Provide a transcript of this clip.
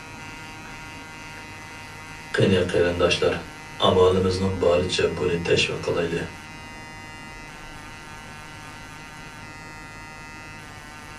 قېنى قېرىنداشلار ئامالىمىزنىڭ بارىچە بۇنى تەشۋىق قىلايلى!